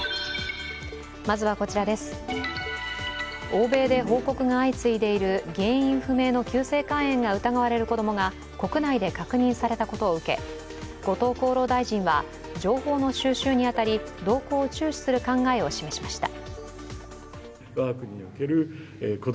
欧米で報告が相次いでいる原因不明の急性肝炎が疑われる子供が国内で確認されたことを受け後藤厚労大臣は情報の収集に当たり、動向を注視する考えを示しました。